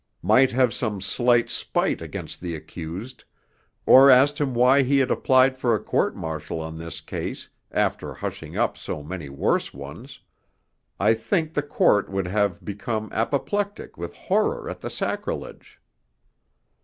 might have some slight spite against the accused, or asked him why he had applied for a Court Martial on this case after hushing up so many worse ones, I think the Court would have become apoplectic with horror at the sacrilege.